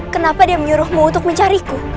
kenapa dia menyuruhmu untuk mencariku